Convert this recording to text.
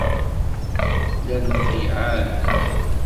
Llan qellɛen.